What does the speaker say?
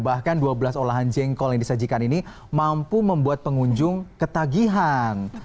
bahkan dua belas olahan jengkol yang disajikan ini mampu membuat pengunjung ketagihan